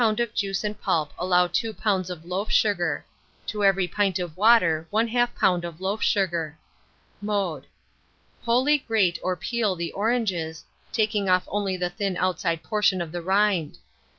of juice and pulp allow 2 lbs. of loaf sugar; to every pint of water 1/2 lb. of loaf sugar. Mode. Wholly grate or peel the oranges, taking off only the thin outside portion of the rind.